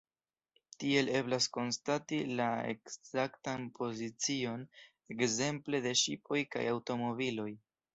Tiel eblas konstati la ekzaktan pozicion ekzemple de ŝipoj kaj aŭtomobiloj.